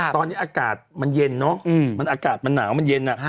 ตอนนี้อากาศมันเย็นเนอะมันอากาศมันหนาวมันเย็น